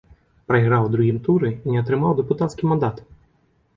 Прайграў у другім туры і не атрымаў дэпутацкі мандат.